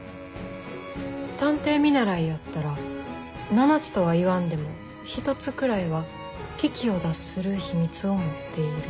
探偵見習やったら７つとは言わんでも一つくらいは危機を脱する秘密を持っている。